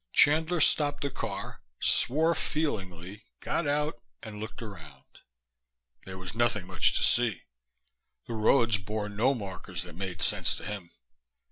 Chandler stopped the car, swore feelingly, got out and looked around. There was nothing much to see. The roads bore no markers that made sense to him.